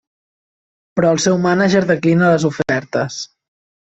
Però el seu mànager declina les ofertes.